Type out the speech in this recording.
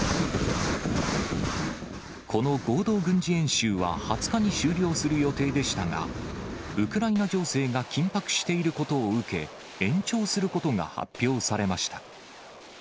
この合同軍事演習は２０日に終了する予定でしたが、ウクライナ情勢が緊迫していることを受け、延長することが発表されました。